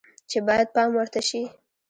چې باید پام ورته شي